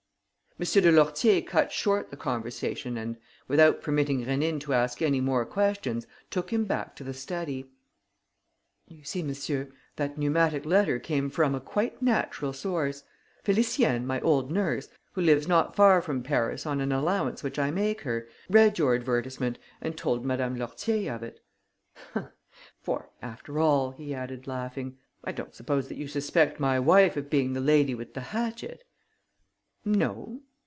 M. de Lourtier cut short the conversation and, without permitting Rénine to ask any more questions, took him back to the study: "You see, monsieur, that pneumatic letter came from a quite natural source. Félicienne, my old nurse, who lives not far from Paris on an allowance which I make her, read your advertisement and told Madame de Lourtier of it. For, after all," he added laughing, "I don't suppose that you suspect my wife of being the lady with the hatchet." "No."